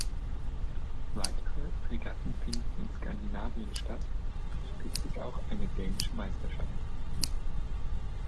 Weitere Regatten finden in Skandinavien statt, so gibt es auch eine dänische Meisterschaft.